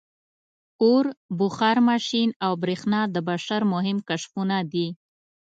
• اور، بخار ماشین او برېښنا د بشر مهم کشفونه دي.